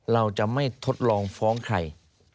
เราจะไม่ทดลองฟ้องใคร